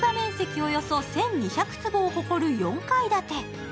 およそ１２００坪を誇る４階建て。